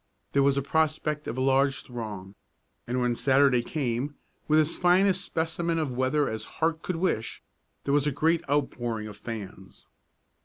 There was a prospect of a large throng, and when Saturday came with as fine a specimen of weather as heart could wish there was a great outpouring of "fans."